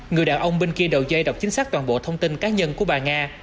người đàn ông bên kia đầu dây đọc chính xác toàn bộ thông tin cá nhân của bà nga